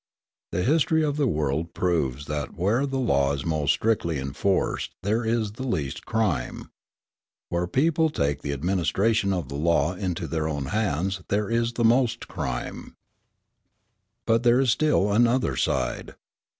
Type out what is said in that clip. The history of the world proves that where the law is most strictly enforced there is the least crime: where people take the administration of the law into their own hands there is the most crime. But there is still another side.